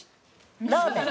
ラーメン。